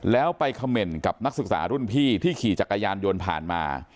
แล้วไปเขม่นกับนักศึกษารุ่นพี่ที่ขี่จักรยานยนต์ผ่านมา